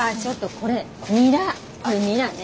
これニラね。